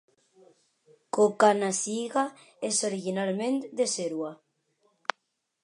Cokanasiga és originalment de Serua.